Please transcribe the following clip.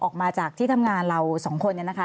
ออกมาจากที่ทำงานเราสองคนเนี่ยนะคะ